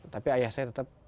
tapi ayah saya tetap